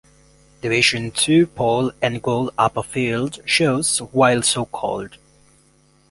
Division two-pole and gold upper field shows while so-called.